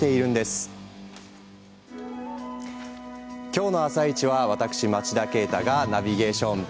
今日の「あさイチ」は私、町田啓太がナビゲーション。